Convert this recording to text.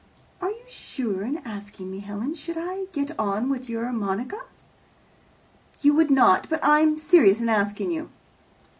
"Are you serious in asking me, Helen? Should I get on with your Monica?" "You would not, but I am serious in asking you."